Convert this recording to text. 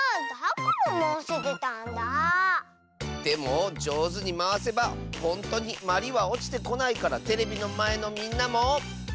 でもじょうずにまわせばほんとにまりはおちてこないからテレビのまえのみんなも。